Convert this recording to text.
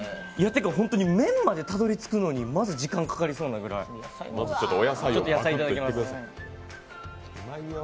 ホントに麺までたどり着くのに時間がかかりそうなぐらい野菜、いただきます。